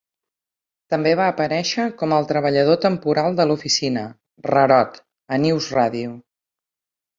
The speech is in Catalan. També va aparèixer com al treballador temporal de l'oficina "rarot" a "NewsRadio".